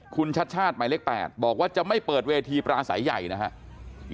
คุณชัดชาติหมายเลข๘บอกว่าจะไม่เปิดเวทีปราศัยใหญ่นะครับ